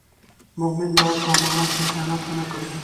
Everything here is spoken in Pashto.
مومن باید په امانت کې خیانت و نه کړي.